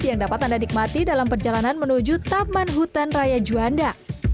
yang dapat anda nikmati dalam perjalanan menuju taman hutan raya juanda